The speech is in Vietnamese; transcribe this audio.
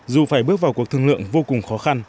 dù phải bước vào cuộc thương lượng